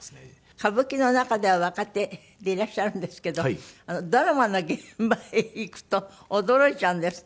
歌舞伎の中では若手でいらっしゃるんですけどドラマの現場へ行くと驚いちゃうんですって？